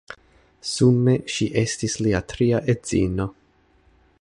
Sume ŝi estis lia tria edzino.